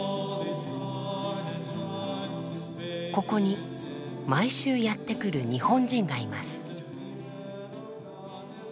ここに毎週やって来る日本人がいます。